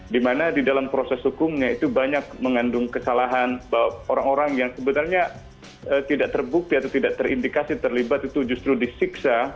dimana di dalam proses hukumnya itu banyak mengandung kesalahan bahwa orang orang yang sebenarnya tidak terbukti atau tidak terindikasi terlibat itu justru disiksa